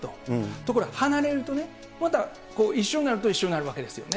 ところが離れるとね、また一緒になると一緒になるわけですよね。